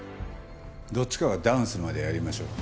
どっちかがダウンするまでやりましょう。